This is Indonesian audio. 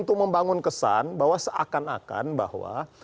yang bisa dikesan bahwa seakan akan bahwa